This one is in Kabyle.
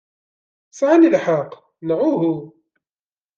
Sɛant lḥeqq, neɣ uhu?